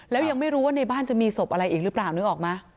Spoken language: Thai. แล้วยังไม่รู้ว่าในบ้านจะมีศพอะไรอีกหรือเปล่านึกออกไหม